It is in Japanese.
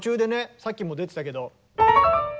さっきも出てたけど。